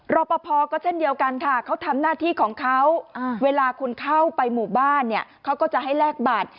รอปภก็เช่นเดียวกันค่ะเขาทำหน้าที่ของเขาเวลาคุณเข้าไปหมู่บ้านเนี่ยเขาก็จะให้แลกบัตร